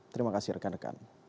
terima kasih rekan rekan